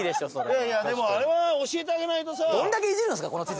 いやいやでもあれは教えてあげないとさ。